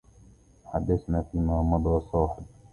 حدثنا فيما مضى صاحب